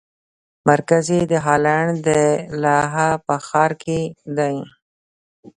مرکز یې د هالنډ د لاهه په ښار کې دی.